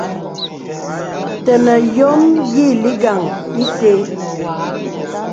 Tənə yɔ̄m yì lìkgaŋ ìtə.